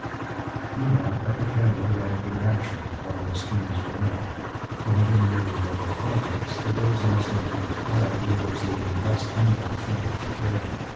Meanwhile, Upper Canada lagged in action, although schemes were many. Omitting merely local projects, the roads most in the public eye were those leading west and north from Lake Ontario.